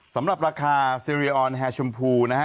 สำหรับราคาซีเรียออนแฮชมพูนะฮะ